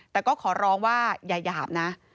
แต่ก็ขอร้องว่าอย่าหยาบนะ